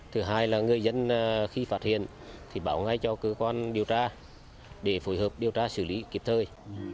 thứ hai là người dân khi phát hiện thì báo ngay cho cơ quan điều tra để phối hợp điều tra xử lý kịp thời